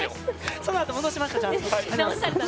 そのあとちゃんと戻しました。